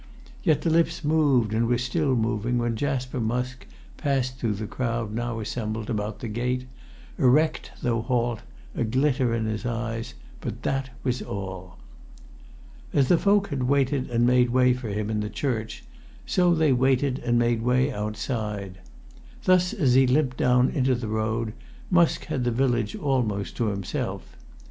Yet the lips moved, and were still moving when Jasper Musk passed through the crowd now assembled about the gate, erect though halt, a glitter in his eyes, but that was all. As the folk had waited and made way for him in the church, so they waited and made way outside. Thus, as he limped down into the road, Musk had the village almost to himself.